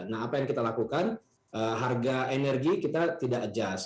nah apa yang kita lakukan harga energi kita tidak adjust